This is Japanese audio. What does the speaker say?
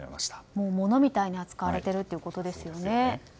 もう物みたいに扱われているということですよね。